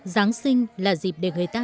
giáng sinh là dịp để người ta